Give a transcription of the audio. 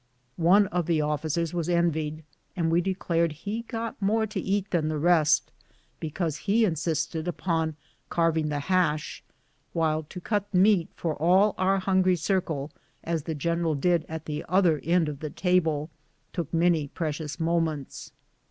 One of the officers was envied, and we declared he got more to eat than the rest, because he insisted upon " carving the hash ;" while to cut meat for all our hun gry circle, as the general did at the other end of the table, took many precious moments.